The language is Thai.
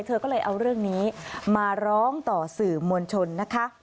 เธอก็เลยเอาเรื่องนี้มาร้องต่อสื่อมวลชนนะคะ